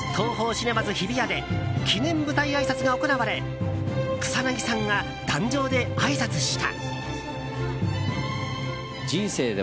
シネマズ日比谷で記念舞台あいさつが行われ草なぎさんが壇上であいさつした。